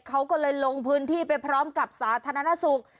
เขาก็เลยลงพื้นที่ไปพร้อมกับสาธารณสุข